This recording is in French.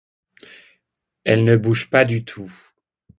Elle ne bouge pas du tout.